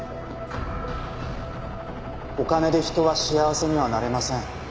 お金で人は幸せにはなれません。